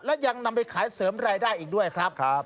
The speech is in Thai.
และยังนำไปขายเสริมรายได้อีกด้วยครับ